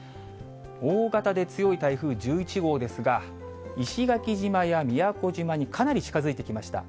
大型で強い台風１１号ですが、石垣島や宮古島にかなり近づいてきました。